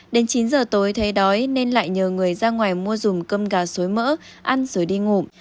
đến chín giờ tối thấy đói nên lại nhờ người ra ngoài mua dùm cơm gà suối mỡ ăn rồi đi ngụm